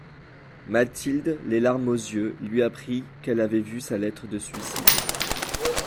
Mathilde, les larmes aux yeux, lui apprit qu'elle avait vu sa lettre de suicide.